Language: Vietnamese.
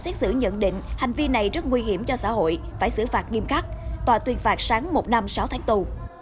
xét xử nhận định hành vi này rất nguy hiểm cho xã hội phải xử phạt nghiêm khắc tòa tuyên phạt sáng một năm sáu tháng tù